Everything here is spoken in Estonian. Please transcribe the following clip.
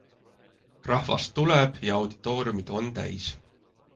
Rahvast tuleb ja auditooriumid on täis.